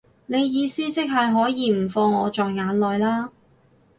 你意思即係可以唔放我在眼內啦